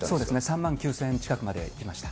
３万９０００円ぐらいまでいきました。